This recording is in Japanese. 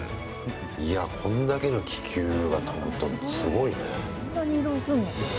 いや、こんだけの気球が飛ぶとすごいね。